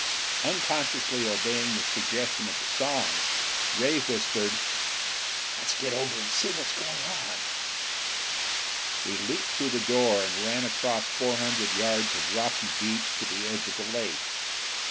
Unconsciously obeying the suggestion of the song, Ray whispered, "Let's get over and see what's going on." We leaped through the door and ran across four hundred yards of rocky beach to the edge of the lake.